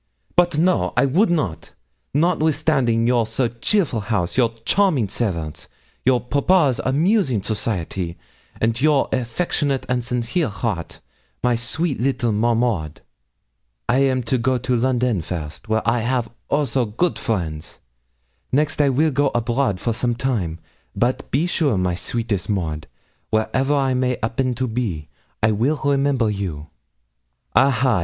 But no I would not notwithstanding your so cheerful house, your charming servants, your papa's amusing society, and your affectionate and sincere heart, my sweet little maraude. 'I am to go to London first, where I 'av, oh, so good friends! next I will go abroad for some time; but be sure, my sweetest Maud, wherever I may 'appen to be, I will remember you ah, ha!